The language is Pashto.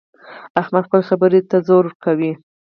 احمد خپلې خبرې ته زور کوي.